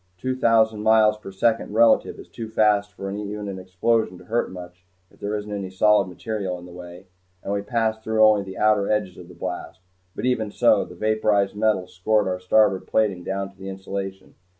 Two thousand miles per second relative is too fast for even an explosion to hurt much if there isn't any solid material in the way, and we passed through only the outer edges of the blast, but even so, the vaporized metal scoured our starboard plating down to the insulation.